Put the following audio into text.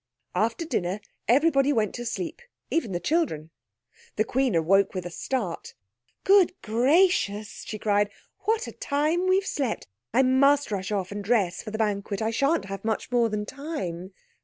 After dinner everybody went to sleep, even the children. The Queen awoke with a start. "Good gracious!" she cried, "what a time we've slept! I must rush off and dress for the banquet. I shan't have much more than time."